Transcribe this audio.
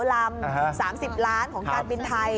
๓๐ล้านบาทของการปินไทย